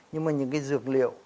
nhưng mà những cái dược liệu